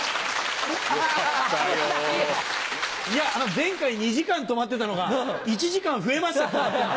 前回２時間止まってたのが１時間増えました。